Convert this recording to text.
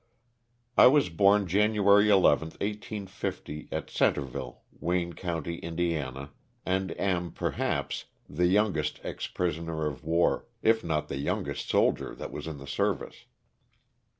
T WAS born January 11, 1850, at Centreville, Wayne ^ county, Ind., and am, perhaps, the youngest ex prisoner of war, if not the youngest soldier that was in the service.